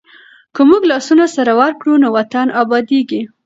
که موږ لاسونه سره ورکړو نو وطن ابادېږي.